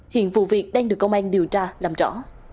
hiện vụ việc đang được công an điều tra làm rõ